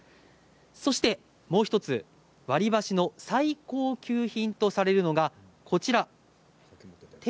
そして、もう１つ割り箸の最高級品とされるのがこちらです。